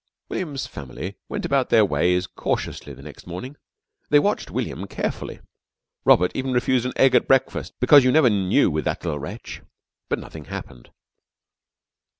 William's family went about their ways cautiously the next morning. They watched William carefully. Robert even refused an egg at breakfast because you never knew with that little wretch. But nothing happened.